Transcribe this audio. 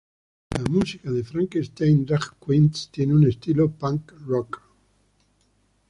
La música de Frankenstein Drag Queens tiene un estilo Punk Rock.